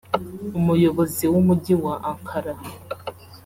umuyobozi w'umujyi wa Ankara